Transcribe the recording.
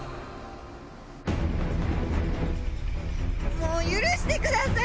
もう許してください！